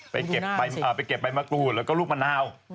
ไปเก็บไปเก็บใบมกรุ่นและก็รูปมะนาว